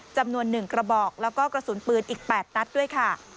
จำนวน๑กระบอกแล้วก็กระสุนปืนอีก๘นัดด้วยค่ะ